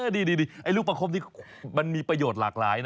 นี่ลูกประคบนี่มันมีประโยชน์หลากหลายนะ